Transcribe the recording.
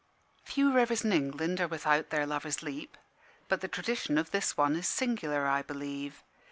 Few rivers in England are without their "Lovers' Leap"; but the tradition of this one is singular, I believe.